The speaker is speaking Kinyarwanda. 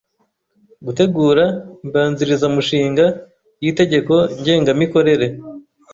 gutegura imbanzirizamushinga y’itegeko ngengamikorere;